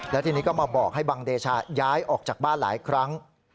แล้วทีนี้ก็มาบอกให้บังเดชาย้ายออกจากบ้านหลายครั้ง